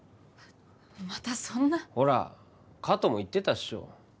またそんなほら加藤も言ってたっしょ